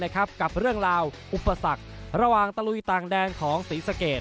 กับเรื่องราวอุปสรรคระหว่างตะลุยต่างแดนของศรีสะเกด